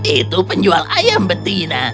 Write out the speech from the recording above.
itu penjual ayam betina